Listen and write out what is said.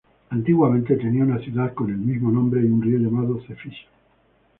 Antiguamente tenía una ciudad con el mismo nombre y un río llamado Cefiso.